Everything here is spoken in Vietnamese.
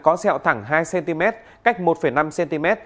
có xeo thẳng hai cm cách một năm cm